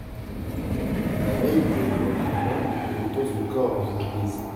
La veille de l'enterrement, on dépose le corps dans une église.